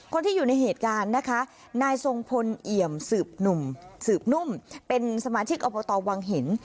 คนที่อยู่ในเหตุการณ์นะคะนายทรงพลเอี่ยมสืบหนุ่มสืบนุ่มเป็นสมาชิกอบตวังหิน